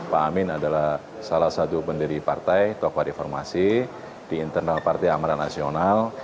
pak amin adalah salah satu pendiri partai tokoh reformasi di internal partai amaran nasional